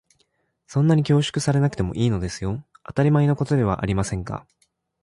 そんなに恐縮されなくてもいいんですのよ。当たり前のことではありませんか。